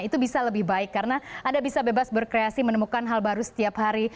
itu bisa lebih baik karena anda bisa bebas berkreasi menemukan hal baru setiap hari